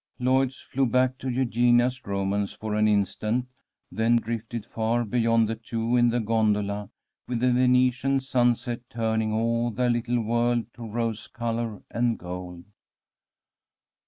Lloyd's flew back to Eugenia's romance for an instant, then drifted far beyond the two in the gondola, with the Venetian sunset turning all their little world to rose colour and gold.